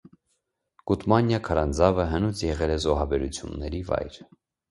Գուտմանյա քարանձավը հնուց եղել է զոհաբերությունների վայր։